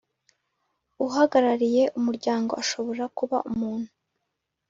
Uhagarariye Umuryango ashobora kuba umuntu